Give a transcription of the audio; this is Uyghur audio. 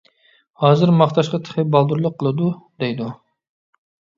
ھازىر ماختاشقا تېخى بالدۇرلۇق قىلىدۇ، دەيدۇ.